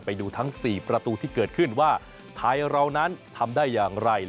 ไปดูทั้ง๔ประตูที่เกิดขึ้นว่าไทยเรานั้นทำได้อย่างไร